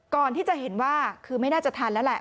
ก่อนที่จะเห็นว่าคือไม่น่าจะทันแล้วแหละ